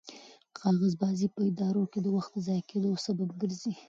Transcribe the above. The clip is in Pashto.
کاغذبازي په ادارو کې د وخت د ضایع کېدو سبب ګرځي.